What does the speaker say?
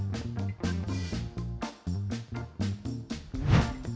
มมมตอลแมนตอลไม่ได้ไข